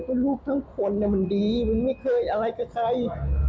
เพราะลูกทั้งคนมันดีมันไม่เคยอะไรกับใคร